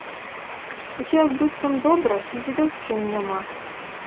Усё як быццам добра і дзедаўшчыны няма.